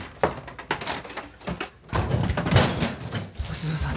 星野さん。